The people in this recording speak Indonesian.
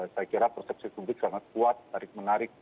saya kira persepsi publik sangat kuat tarik menarik